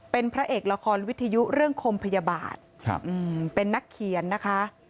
เป็นพระเอกละครวิทยุเรื่องคมพยาบาทเป็นนักเขียนนะคะ